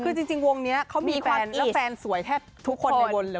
คือจริงวงนี้เขามีความแล้วแฟนสวยแทบทุกคนในวงเลย